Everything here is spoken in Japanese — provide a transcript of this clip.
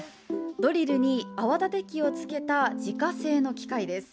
ドリルに泡立て器をつけた自家製の機械です。